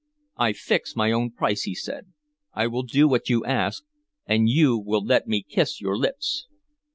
"I fix my own price," he said. "I will do what you ask, an you will let me kiss your lips."